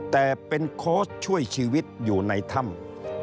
แต่เป็นโค้ชช่วยชีวิตอยู่ในถ้ำ